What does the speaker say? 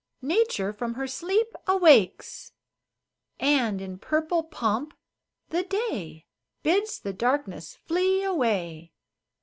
Nature from her sleep awakes, And, in purple pomp, the day Bids the darkness flee away.